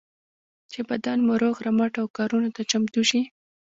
چې بدن مو روغ رمټ او کارونو ته چمتو شي.